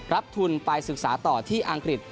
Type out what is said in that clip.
ทุนไปศึกษาต่อที่อังกฤษ